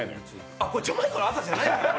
あ、これジャマイカの夜じゃないの？